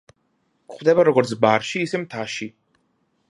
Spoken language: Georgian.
გვხვდება როგორც ბარში, ისე მთაში.